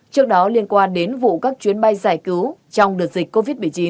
trước đó liên quan đến vụ các chuyến bay giải cứu trong đợt dịch covid một mươi chín